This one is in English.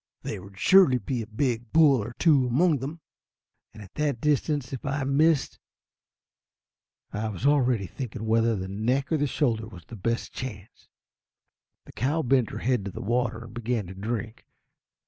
There would surely be a big bull or two among them, and at that distance if I missed . I was already thinking whether the neck or the shoulder was the best chance. The cow bent her head to the water, and began to drink.